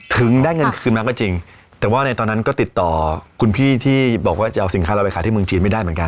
ถึงได้เงินคืนมาก็จริงแต่ว่าในตอนนั้นก็ติดต่อคุณพี่ที่บอกว่าจะเอาสินค้าเราไปขายที่เมืองจีนไม่ได้เหมือนกัน